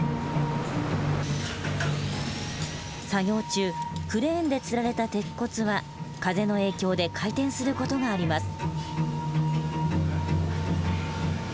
作業中クレーンで吊られた鉄骨は風の影響で回転する事があります。